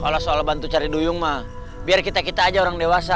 kalau soal bantu cari duyung mah biar kita kita aja orang dewasa